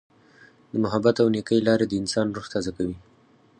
د محبت او نیکۍ لارې د انسان روح تازه کوي.